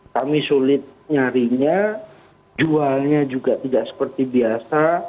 kami sulit nyarinya jualnya juga tidak seperti biasa